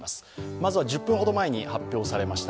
まずは１０分ほど前に発表されました